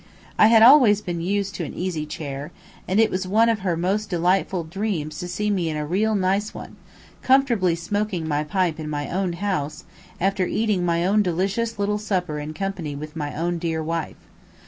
I had always been used to an easy chair, and it was one of her most delightful dreams to see me in a real nice one, comfortably smoking my pipe in my own house, after eating my own delicious little supper in company with my own dear wife.